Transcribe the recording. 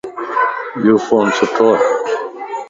يو فون سھڻوَ